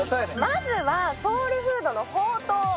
まずはソウルフードのほうとう。